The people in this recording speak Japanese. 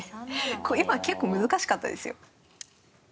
今結構難しかったですよ。